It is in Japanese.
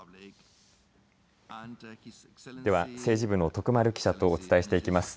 では、政治部の徳丸記者とお伝えしていきます。